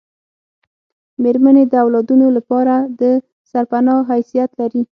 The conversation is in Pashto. میرمنې د اولادونو لپاره دسرپنا حیثیت لري